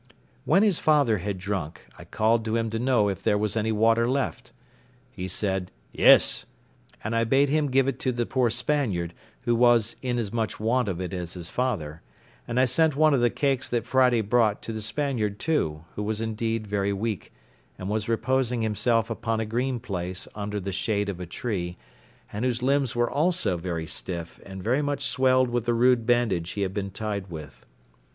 When his father had drunk, I called to him to know if there was any water left. He said, "Yes"; and I bade him give it to the poor Spaniard, who was in as much want of it as his father; and I sent one of the cakes that Friday brought to the Spaniard too, who was indeed very weak, and was reposing himself upon a green place under the shade of a tree; and whose limbs were also very stiff, and very much swelled with the rude bandage he had been tied with.